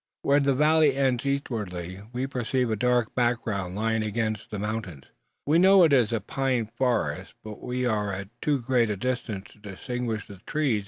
Where the valley ends eastwardly, we perceive a dark background lying up against the mountains. We know it is a pine forest, but we are at too great a distance to distinguish the trees.